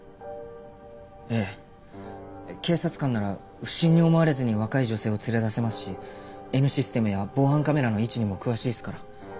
ええ警察官なら不審に思われずに若い女性を連れ出せますしＮシステムや防犯カメラの位置にも詳しいっすから。